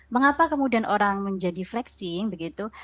mengapa kemudian orang menjadi flexing begitu